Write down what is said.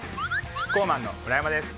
キッコーマンの村山です。